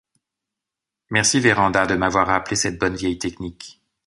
Merci Vérand'a de m’avoir rappelé cette bonne vieille technique.